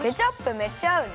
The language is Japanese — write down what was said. めっちゃあうね！